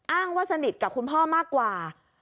ว่าสนิทกับคุณพ่อมากกว่า